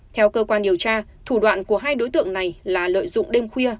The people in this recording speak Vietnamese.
theo cơ quan điều tra thủ đoạn của hai đối tượng này là lợi dụng đêm khuya